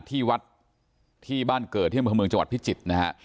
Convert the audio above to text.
ที่วัดที่บ้านเกิดที่อำเภอเมืองจังหวัดพิจิตรนะฮะ